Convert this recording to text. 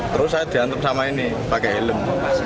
terus saya diantum sama ini pakai helm